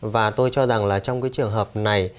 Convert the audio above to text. và tôi cho rằng là trong cái trường hợp này